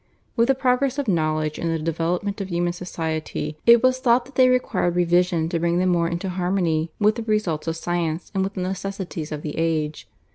With the progress of knowledge and the development of human society it was thought that they required revision to bring them more into harmony with the results of science and with the necessities of the age.